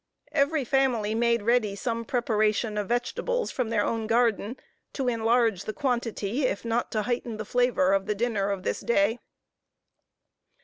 Every family made ready some preparation of vegetables, from their own garden, to enlarge the quantity, if not to heighten the flavor of the dinner of this day.